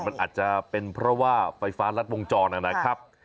มันอาจจะเป็นเพราะว่าไฟฟ้ารัดวงจรนะครับ